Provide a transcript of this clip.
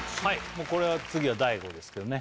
もうこれは次は大悟ですけどね